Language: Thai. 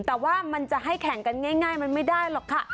แต่ว่ามันจะให้แข่งกันง่ายมันไม่ได้หรอกค่ะ